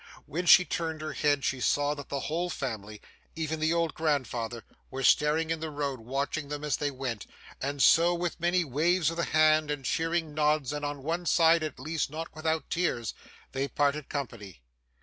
When she turned her head, she saw that the whole family, even the old grandfather, were standing in the road watching them as they went, and so, with many waves of the hand, and cheering nods, and on one side at least not without tears, they parted company.